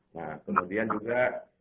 nah kemudian juga